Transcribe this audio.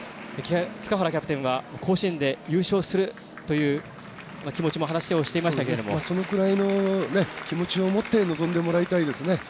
塚原キャプテンは甲子園で優勝するという気持ちもそのくらいの気持ちを持って臨んでもらいたいですね。